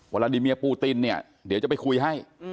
วาลาดิเมียปูตินเดี๋ยวจะไปคุยให้